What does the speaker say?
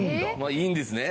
いいんですね？